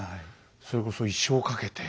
それこそ一生をかけて。